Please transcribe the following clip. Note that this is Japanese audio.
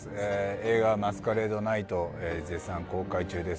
映画「マスカレード・ナイト」絶賛公開中です